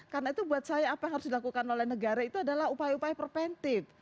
karena itu buat saya apa yang harus dilakukan oleh negara itu adalah upaya upaya preventif